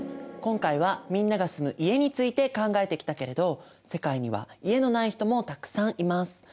今回はみんなが住む家について考えてきたけれど世界には家のない人もたくさんいます。